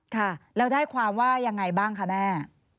ค่ะแล้วได้ความว่ายังไงบ้างคะแม่